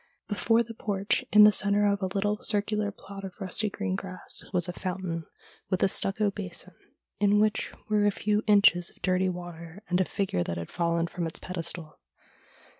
Before the porch in the centre of a little circular plot of rusty green grass was a fountain with a stucco basin, in which were a few inches of dirty water, and a figure that had fallen from its pedestal.